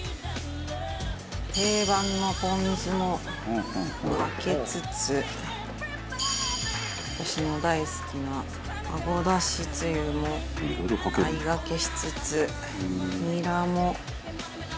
定番のポン酢もかけつつ私の大好きなあごだしつゆもあいがけしつつニラも。